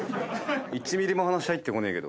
１ｍｍも話入ってこねえけど。